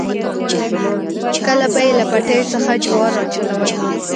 کله به یې له پټیو څخه جوار راچلول.